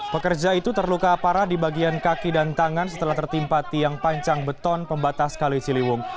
pekerja itu terluka parah di bagian kaki dan tangan setelah tertimpa tiang pancang beton pembatas kali ciliwung